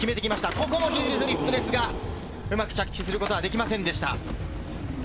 ここもヒールフリップですが、うまく着地することはできませんでした。